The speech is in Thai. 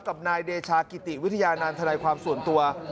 กับนายเดชากิติวิทยานันทนายความส่วนตัว